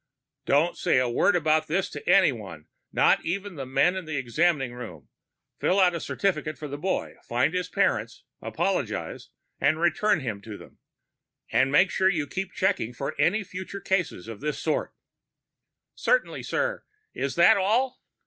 "Don't say a word about this to anyone, not even the men in the examining room. Fill out a certificate for the boy, find his parents, apologize and return him to them. And make sure you keep checking for any future cases of this sort." "Certainly, sir. Is that all?"